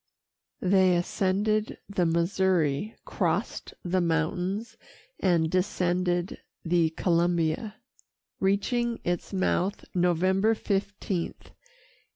They ascended the Missouri, crossed the mountains, and descended the Columbia, reaching its mouth November 15, 1805.